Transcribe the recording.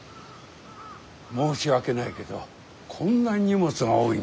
申し訳ないけどこんな荷物が多いんじゃ。